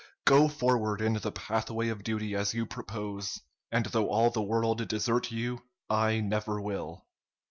Go forward in the pathway of duty as you propose, and though all the world desert you, I never will.'"